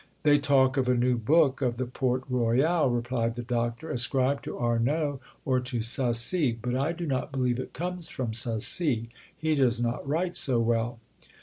"They talk of a new book of the Port Royal," replied the doctor, "ascribed to Arnauld or to Sacy; but I do not believe it comes from Sacy; he does not write so well."